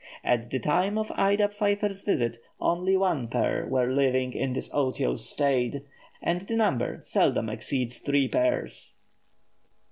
At the time of Ida Pfeiffer's visit, only one pair were living in this otiose state, and the number seldom exceeds three pairs.